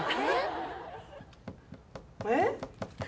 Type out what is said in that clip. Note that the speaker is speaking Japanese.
えっ？